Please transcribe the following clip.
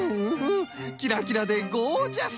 キラキラでゴージャス！